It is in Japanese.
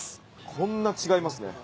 こんな違いますね。